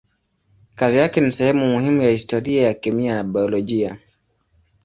Kazi yake ni sehemu muhimu ya historia ya kemia na biolojia.